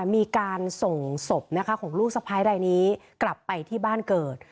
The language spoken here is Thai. มีการส่งศพนะคะของลูกสไพร์ใดนี้กลับไปที่บ้านเกิด